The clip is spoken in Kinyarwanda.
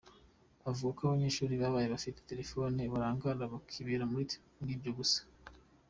Avuga ko Abanyeshuri babaye bafite Telefoni barangara bakibera muri ibyo gusa.